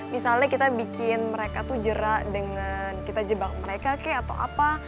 misalnya kita bikin mereka tuh jerak dengan kita jebak mereka kek atau apa